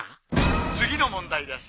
次の問題です。